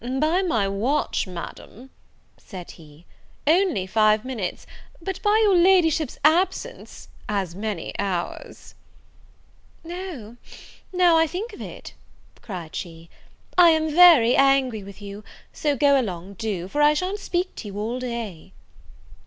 "By my watch, Madam," said he, "only five minutes, but by your Ladyship's absence as many hours." "O! now I think of it," cried she, "I am very angry with you; so go along, do; for I sha'n't speak to you all day."